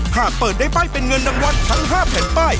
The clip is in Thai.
หากเปิดได้ป้ายเป็นเงินรางวัลทั้ง๕แผ่นป้าย